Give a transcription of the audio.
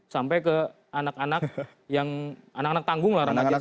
sampai ke anak anak yang anak anak tanggung lah remaja